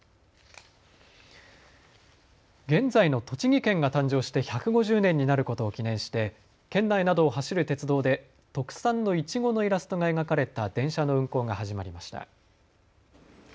現在の栃木県が誕生して１５０年になることを記念して県内などを走る鉄道で特産のいちごのイラストが描かれた電車の運行が始まりました。